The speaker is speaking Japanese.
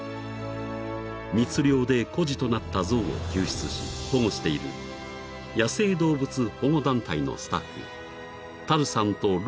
［密猟で孤児となった象を救出し保護している野生動物保護団体のスタッフタルさんとローンさん兄弟が］